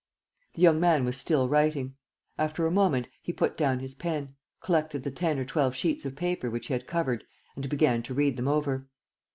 The young man was still writing. After a moment, he put down his pen, collected the ten or twelve sheets of paper which he had covered and began to read them over.